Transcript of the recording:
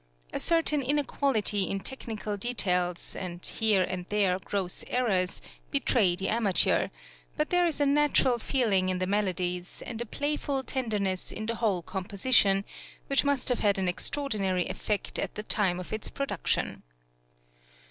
A certain inequality in technical details, and here and there gross errors, betray the amateur; but there is a natural feeling in the melodies, and a playful tenderness in the whole composition, which must have had an extraordinary effect at the time of its production.